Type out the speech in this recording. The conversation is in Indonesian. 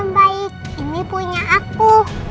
baik ini punya aku